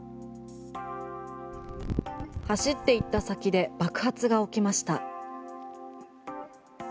走っていった先で爆発が起きました。